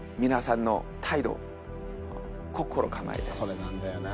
これなんだよな。